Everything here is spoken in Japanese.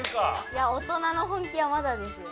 いや大人の本気はまだですよ。